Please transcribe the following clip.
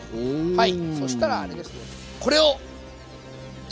はい。